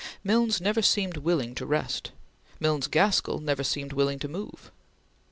Milnes never seemed willing to rest; Milnes Gaskell never seemed willing to move.